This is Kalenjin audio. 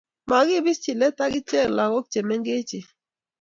makibischi let ak ichek lagok che mengechen